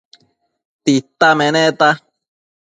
Tita meneta